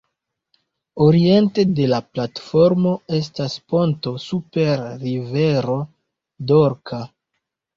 Oriente de la platformo estas ponto super rivero Dorka.